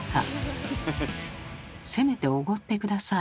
せめておごって下さい。